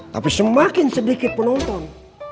tapi semakin sedikit penonton